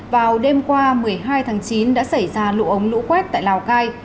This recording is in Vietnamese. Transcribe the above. vào đêm qua một mươi hai tháng chín đã xảy ra lũ ống lũ quét tại lào cai